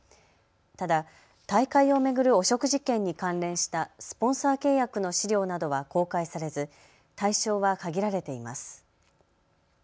ただ大会を巡る汚職事件に関連したスポンサー契約の資料などは公開されず対象は限られています。